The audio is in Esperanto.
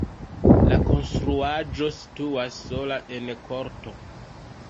La konstruaĵo situas sola en korto.